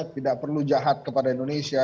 tidak perlu jahat kepada indonesia